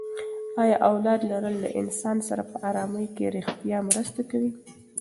ایا اولاد لرل له انسان سره په ارامي کې ریښتیا مرسته کوي؟